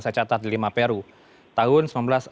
saya catat di lima peru tahun seribu sembilan ratus sembilan puluh